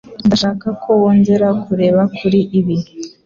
Ndashaka ko wongera kureba kuri ibi